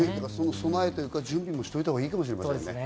備え、準備もしておいたほうがいいかもしれませんね。